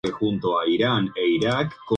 Se encuentra en el Asia y Nueva Guinea.